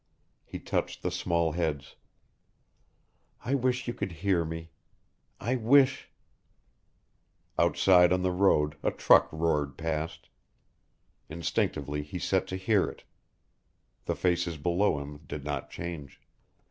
He touched the small heads. "I wish you could hear me. I wish ..." Outside on the road a truck roared past. Instinctively he set to hear it. The faces below him did not change.